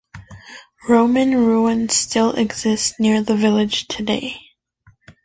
Roman ruins still exist near the village today.